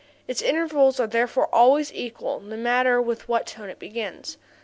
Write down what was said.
Its intervals are therefore always equal no matter with what tone it begins.